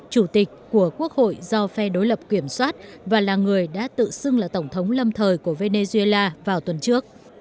chủ tịch của quốc hội do phe đối lập kiểm soát và là người đã tự xưng là tổng thống lâm thời của venezuela vào tuần trước